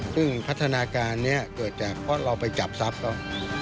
ซึ่งพัฒนาการนี้เกิดจากเพราะเราไปจับทรัพย์เขา